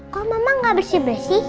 kok mama gak bersih bersih